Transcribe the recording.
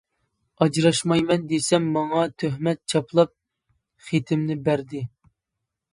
ئاجراشمايمەن دېسەم ماڭا تۆھمەت چاپلاپ خېتىمنى بەردى.